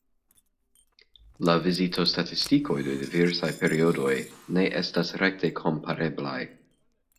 La vizitostatistikoj de diversaj periodoj ne estas rekte kompareblaj.